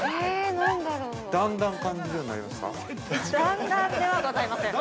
◆だんだん感じるようになりますか。